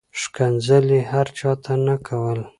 ښکنځل یې هر چاته نه کول.